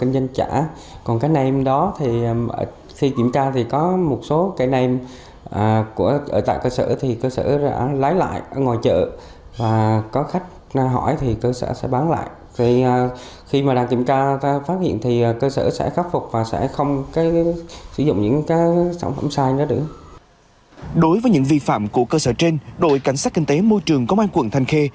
đối với những vi phạm của cơ sở trên đội cảnh sát kinh tế môi trường công an quận thanh khê